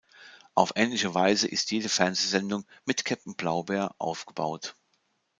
Auf ähnliche Weise ist jede Fernsehsendung mit Käpt’n Blaubär aufgebaut.